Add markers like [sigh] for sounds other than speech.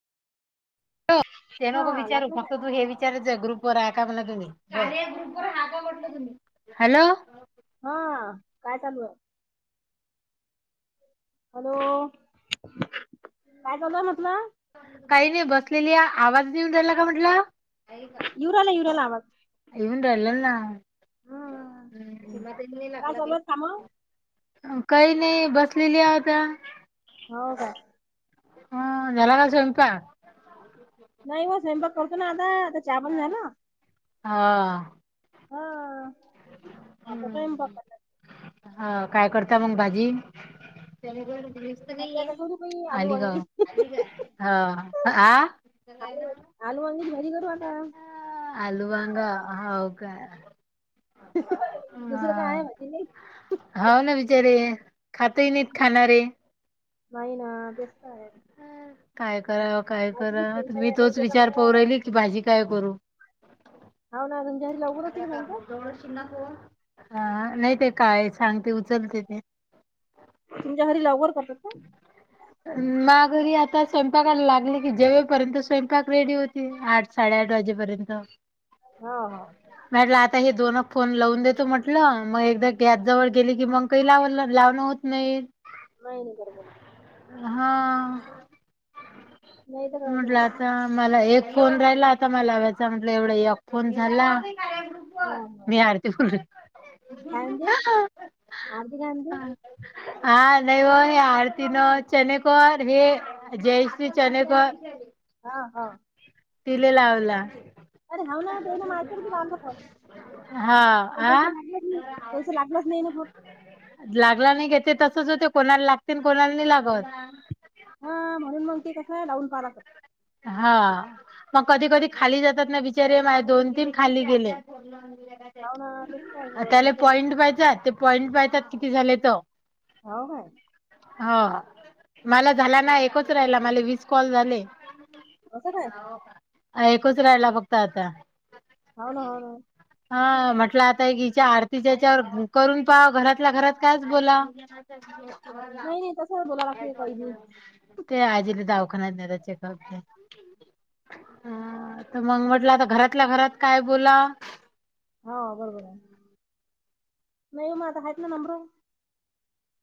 ते हा नको विचारू लागला काय फक्त तू हे वि विचारच ग्रुप व हा का म्हण तुम्ही हॅलो. हा काय चालू आहे. हॅलो काय, चालू आहे म्हटलं. काही नाही बसलेली आहे आवाज, नाही येऊन राहिला का म्हटलं? येऊ राहिला येऊ राहिला आवाज [unintelligible] ना. हम्म. हम् काय चालू [unintelligible] आहे काम काही नाही बसलेली होयत्या. हो का? ह झाला का स्वयंपाक. नाही ओ स्वयंपाक करतो ना आता आता चा पाणी झाल. हा हा आता स्वयंपाक. हा काय करता मंग भाजी भाजी आता करू बाई आलू वांगी आलू [unintelligible] आलू वंगेची भाजी करू आता आलू वांगा होव काय? दुसरं काय आहे [unintelligible] नाही. हा ना बिचारे खातही नाहीत खाणारे नाही ना तेच का आहेर. काय करा काय करा टेन्शन मी आहे तोच त्याच्या विचार मग पौरहिली कि भाजी काय करू. हो ना तुमच्या घरी लवकर होते का स्वयंपाक हा नाही ते काय सांगते उचलते ते तुमच्या घरी, लवकर करत का? मा घरी आता स्वयंपाकाला लागले की जेवपर्यंत स्वयंपाक रेडी होते आ. साडेआठ वाजेपर्यंत हो हो मॅटला आता हे दोन फोन लावून देतो म्हटलं मग एकदा गॅस जवळ गेली की मग काही लाव लाव. नाही. नाही नाही कर ब ना. हा. नाही तर काय तर. म्हटलं आता मला एक फोन राहिला आता मला व्याचा म्हटलं एवढा एक फोन झाला. हो हो मी हार ते बोल. काय म्हणते आरती गांधी हा नयव हे आडतीनो चनकोर हे. जयश्री चनेक र हा हा. तिले लावला. अरे हनन मातीरती ना फो हा पण त्याैस आ लागलेच नाही त्याैस लागलाच नाही ना पण लागला नाही घेते तसच होते कोणाला लागते कोणाला नाही लागत. हा म्हणून मग ते कसं आहे लावून, पहा लागतं. हा. मग कधी कधी खाली जातात ना बिचार माझ दोन तीन खाली गेले. हाव ना तेच काय आ हो त्याला पॉइंट पाहितात ते पॉइंट पाहतात किती झाले. हो काय? हो मला झाला ना एकच राहिला मला विस कॉल झाले. असं काय एकूच राहिला फक्त आता होन हो ना. हा म्हटलं आता हिच्या आरतीच्याच्यावर करून पाव घरातल्या घरात काच बोला. नाही नाही तसं बोला लागते काही बी [unintelligible] ते आजीने दावाखान्या चेकअप हा तर मग म्हटलं आता घरातल्या घरात काय बोला हा बरोबर न मात हयत ना नमर